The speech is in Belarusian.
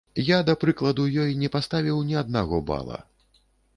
Я, да прыкладу, ёй не паставіў ні аднаго бала.